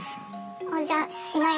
じゃあしない